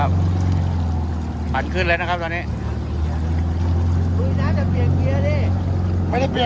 อัดขึ้นแล้วนะครับตอนนี้ลุยน้ำจะเปลี่ยนเกียร์ดิไม่ได้เปลี่ยน